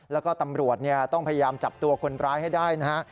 แล้วก็ตำรวจต้องพยายามจับตัวคนร้ายให้ได้นะฮะ